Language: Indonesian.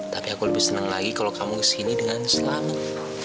tapi aku lebih senang lagi kalau kamu kesini dengan selamat